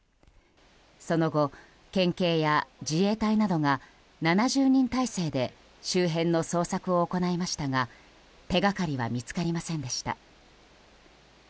その後、県警や自衛隊などが７０人態勢で周辺の捜索を行いましたが手掛かりは見つかりませんでした。